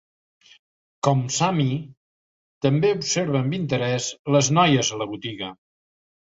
Com Sammy, també observa amb interès les noies a la botiga.